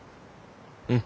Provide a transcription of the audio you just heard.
うん。